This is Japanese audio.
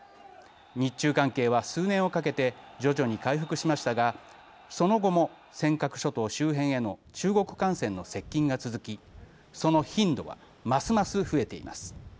日中関係は、数年をかけて徐々に回復しましたがその後も尖閣諸島周辺への中国艦船の接近が続きその頻度はますます増えています。